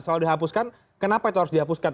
soal dihapuskan kenapa itu harus dihapuskan